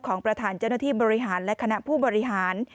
ของประธานเจ้าหน้าที่บริหารและคณะผู้บริหาร